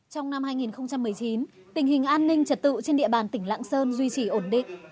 trong năm hai nghìn một mươi chín tình hình an ninh trật tự trên địa bàn tỉnh lạng sơn duy trì ổn định